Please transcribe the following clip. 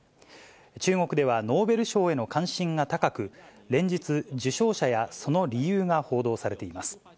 中国ではノーベル賞への関心が高く、連日、受賞者やその理由が報道されています。